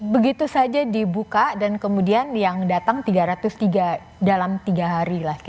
begitu saja dibuka dan kemudian yang datang tiga ratus tiga dalam tiga hari lah